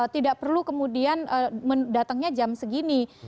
tidak perlu kemudian datangnya jam segini